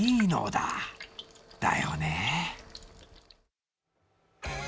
だよね。